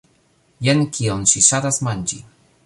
Jen kion ŝi ŝatas manĝi